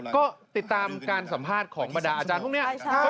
ก็ติดตามการสัมภาษณ์ของบรรดาอาจารย์พวกนี้